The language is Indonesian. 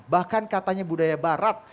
bahkan katanya budaya barat